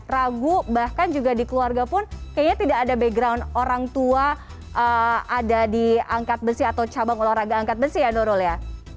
ragu bahkan juga di keluarga pun kayaknya tidak ada background orang tua ada di angkat besi atau cabang olahraga angkat besi ya nurul ya